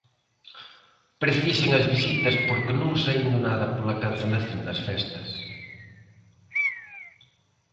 Precisan as visitas porque "non saíndo nada pola cancelación das festas".